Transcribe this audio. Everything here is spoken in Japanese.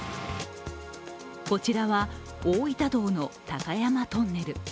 こちらは大分道の高山トンネル。